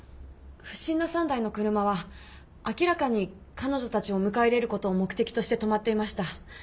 不審な３台の車は明らかに彼女たちを迎え入れることを目的として止まっていました。